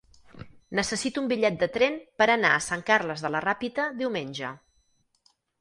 Necessito un bitllet de tren per anar a Sant Carles de la Ràpita diumenge.